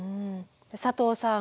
佐藤さん